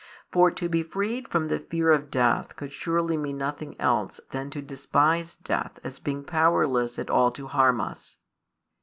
For to be freed from the fear of death could surely mean nothing else than to despise death as being powerless at all to harm us.